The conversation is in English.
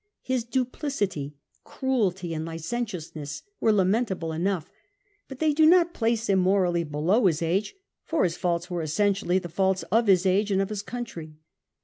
His duplicity, cruelty and licentiousness were lamentable enough. But they do not place him morally below his age, for his faults were essentially the faults of his age and of his country.